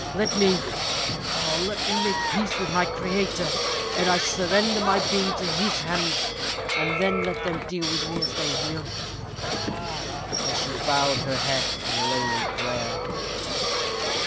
Let me, oh! let me make my peace with my Creator, ere I surrender my being to His hands, and then let them deal with me as they will." And she bowed her head in lowly prayer.